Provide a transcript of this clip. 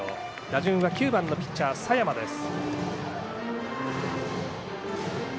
打順は９番のピッチャー佐山です。